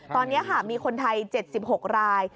ตอนนี้มีคนไทย๗๖ราย